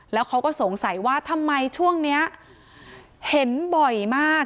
แล้วเขาก็สงสัยว่าทำไมช่วงนี้เห็นบ่อยมาก